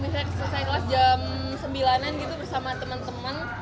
biasanya selesai kelas jam sembilan an gitu bersama temen temen